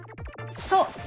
そう！